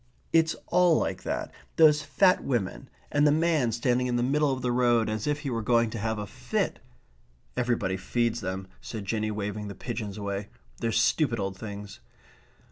It's all like that. Those fat women and the man standing in the middle of the road as if he were going to have a fit ..." "Everybody feeds them," said Jinny, waving the pigeons away. "They're stupid old things."